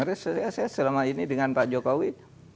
karena saya selama ini dengan pak jokowi